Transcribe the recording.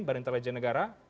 baru intelijen negara